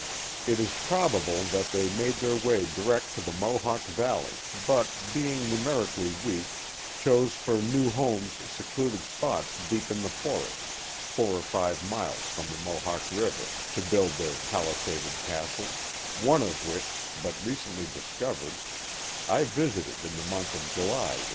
It is probable that they made their way direct to the Mo hawk Valley, but, being numerically weak, chose for new homes secluded spots deep in the forest, four or five miles from the Mohawk River, to build their palisaded castles, one of which, but recently discovered, I visited in the month of July, 1899.